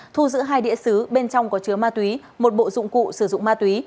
thu giữ hai địa sứ bên trong có chứa ma túy một bộ dụng cụ sử dụng ma túy